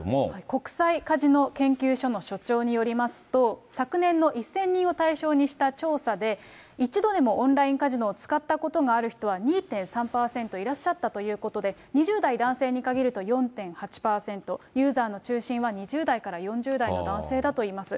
国際カジノ研究所の所長によりますと、昨年の１０００人を対象にした調査で、一度でもオンラインカジノを使ったことがある人は、２．３％いらっしゃったということで、２０代男性に限ると４．８％、ユーザーの中心は２０代から４０代の男性だといいます。